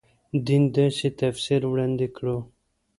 دین داسې تفسیر وړاندې کړو.